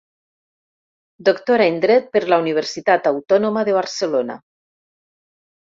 Doctora en Dret per la Universitat Autònoma de Barcelona.